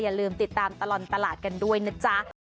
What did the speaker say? อย่าลืมติดตามตลอดตลาดกันด้วยนะจ๊ะ